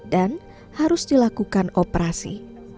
dan harus dilakukan operasi